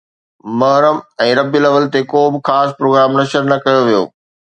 محرم ۽ ربيع الاول تي ڪو به خاص پروگرام نشر نه ڪيو ويو